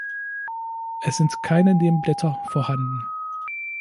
Es sind keine Nebenblätter vorhanden.